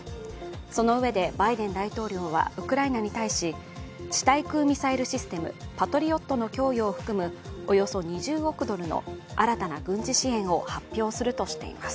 その上でバイデン大統領はウクライナに対し地対空ミサイルシステム、パトリオットの供与を含むおよそ２０億ドルの新たな軍事支援を発表するとしています。